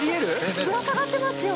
ぶら下がってますよ！